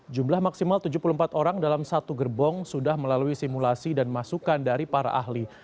jumlah maksimal tujuh puluh empat orang dalam satu gerbong sudah melalui simulasi dan masukan dari para ahli